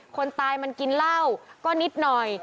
คนตายมันกินเหล้าก็นิดหน่อย